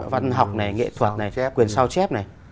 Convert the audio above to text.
văn học này nghệ thuật này sẽ quyền sao chép này